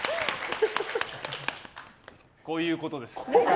こういうことです。